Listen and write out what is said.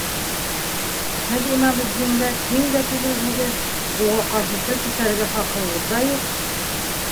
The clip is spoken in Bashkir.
— Һеҙ Имаметдингә тиң дә түгелһегеҙ, уға ҡаршы тел күтәрергә хаҡығыҙ ҙа юҡ.